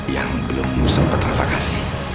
yang belum sempet refakasi